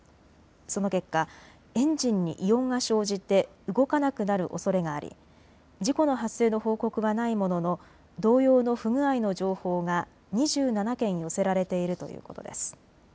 その結果、エンジンに異音が生じて動かなくなるおそれがあり事故の発生の報告はないものの同様の不具合の情報が２７件寄せられているということです。